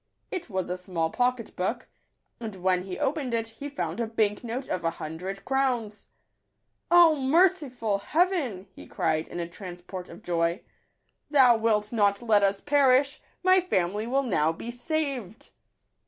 It was a small pocket book ; and when he opened it, he found a bank note of a hundred crowns. " O merciful Heaven !" he cried, in a transport of joy, " Thou wilt not let us perish : my family will now be saved